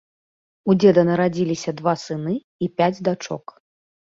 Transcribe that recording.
У дзеда нарадзіліся два сыны і пяць дачок.